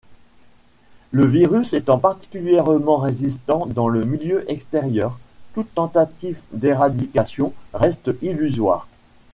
Le virus étant particulièrement résistant dans le milieu extérieur, toute tentative d’éradication reste illusoire.